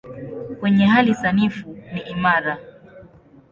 Kwenye hali sanifu ni imara.